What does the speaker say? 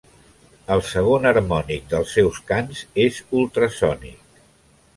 El segon harmònic dels seus cants és ultrasònic.